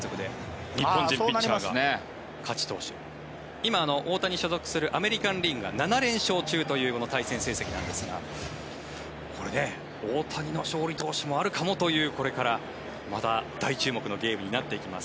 今、大谷が所属するアメリカン・リーグが７連勝中という対戦成績なんですがこれね、大谷の勝利投手もあるかもというこれから、まだ大注目のゲームになっていきます。